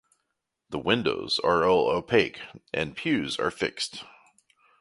The windows are all opaque and pews are fixed.